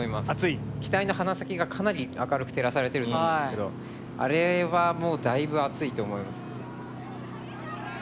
機体の鼻先がかなり明るく照らされてると思うんですけどあれはもうだいぶ暑いと思います。